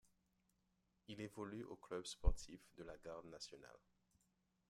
Il évolue au Club sportif de la Garde nationale.